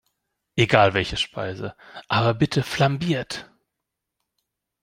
Egal welche Speise, aber bitte flambiert!